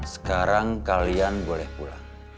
sekarang kalian boleh pulang